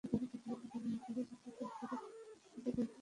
গতকাল শুক্রবার সকালে নিজ বাড়ির পাশের সড়ক থেকে তাঁকে গ্রেপ্তার করা হয়।